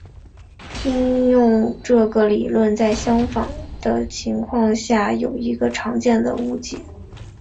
应用这个理论在相反的情况下有一个常见的误解。